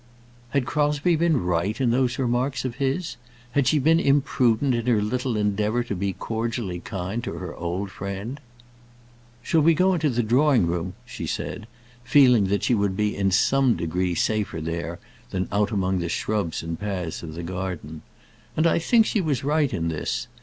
Had Crosbie been right in those remarks of his? Had she been imprudent in her little endeavour to be cordially kind to her old friend? "Shall we go into the drawing room?" she said, feeling that she would be in some degree safer there than out among the shrubs and paths of the garden. And I think she was right in this.